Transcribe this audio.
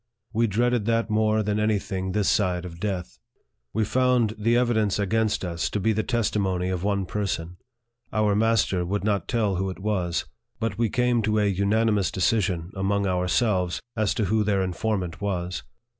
We dreaded that more than any thing this side of death. We found the evidence against us to be the testimony of one person ; our master would not tell who it was ; but we came to a unanimous decision among ourselves as to who their informant was.